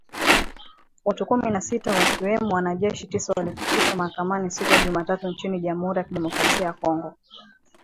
Watu kumi na sita wakiwemo wanajeshi tisa walifikishwa mahakamani siku ya Jumatatu nchini Jamhuri ya Kidemokrasia ya Kongo.